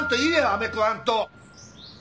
あめ食わんと。